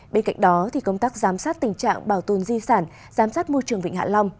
bên cạnh đó công tác giám sát tình trạng bảo tồn di sản giám sát môi trường vịnh hạ long